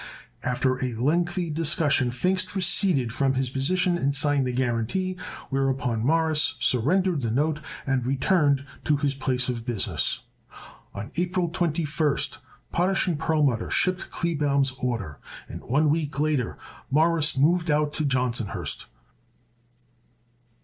After a lengthy discussion Pfingst receded from his position and signed the guarantee, whereupon Morris surrendered the note and returned to his place of business. On April 21st Potash & Perlmutter shipped Kleebaum's order, and one week later Morris moved out to Johnsonhurst.